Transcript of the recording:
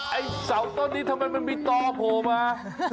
ไอ้เสาต้นนี้ทำไมมันมีต่อโผล่มา